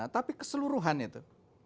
tapi keseluruhan itu